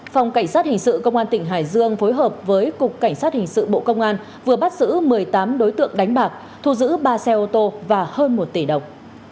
phòng cảnh sát hình sự công an tỉnh hải dương phối hợp với cục cảnh sát hình sự bộ công an vừa bắt giữ một mươi tám đối tượng đánh bạc thu giữ ba xe ô tô và hơn một tỷ đồng